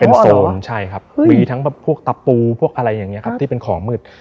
เป็นโซนใช่ครับมีทั้งพวกตะปูพวกอะไรอย่างนี้ครับที่เป็นของมืด